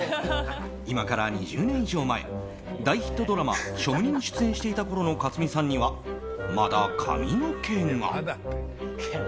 今から２０年以上前大ヒットドラマ「ショムニ」に出演していたころの克実さんにはまだ髪の毛が。